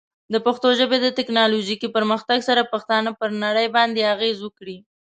د پښتو ژبې د ټیکنالوجیکي پرمختګ سره، پښتانه پر نړۍ باندې اغېز وکړي.